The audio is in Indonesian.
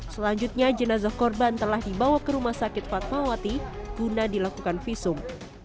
selanjutnya jenazah korban telah dibawa ke rumah sakit fatmawati guna dilakukan visum